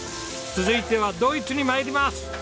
続いてはドイツに参ります。